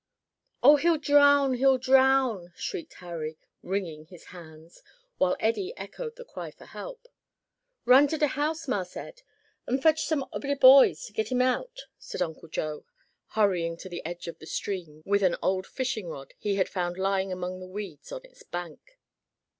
"Oh he'll drown! he'll drown!" shrieked Harry, wringing his hands, while Eddie echoed the cry for help. "Run to de house, Marse Ed, an' fotch some ob de boys to git him out," said Uncle Joe, hurrying to the edge of the stream with an old fishing rod he had found lying among the weeds on its bank.